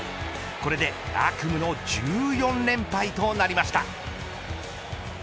これで悪夢の１４連敗となりました。